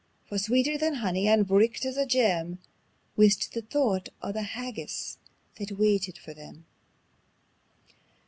For sweeter than honey and bricht as a gem Wis the thocht o' the haggis that waitit for them.